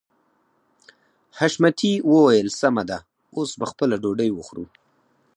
حشمتي وويل سمه ده اوس به خپله ډوډۍ وخورو.